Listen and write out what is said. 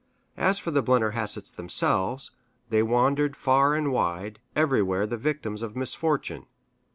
As for the Blennerhassetts themselves, they wandered far and wide, everywhere the victims of misfortune.